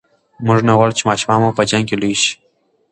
موږ نه غواړو چې ماشومان مو په جنګ کې لوي شي.